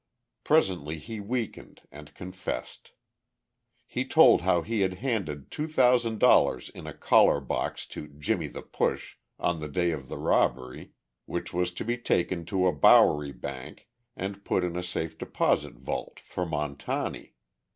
Presently he weakened and confessed. He told how he had handed $2,000 in a collar box to "Jimmie the Push" on the day of the robbery, which was to be taken to a Bowery bank and put in a safe deposit vault for Montani.